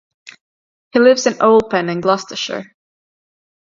He lives at Owlpen, in Gloucestershire.